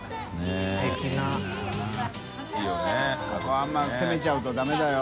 あんま攻めちゃうとだめだよ。